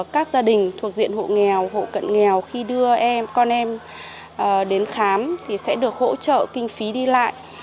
các gia đình thuộc diện hộ nghèo hộ cận nghèo khi đưa con em đến khám thì sẽ được hỗ trợ kinh phí đi lại